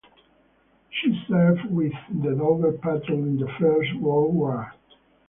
She served with the Dover Patrol in the First World War.